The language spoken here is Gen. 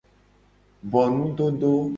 Bo nudodo.